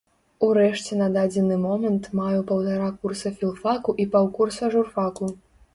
Урэшце на дадзены момант маю паўтара курса філфаку і паўкурса журфаку.